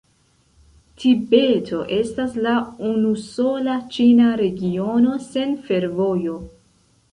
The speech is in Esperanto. Tibeto estas la unusola ĉina regiono sen fervojo.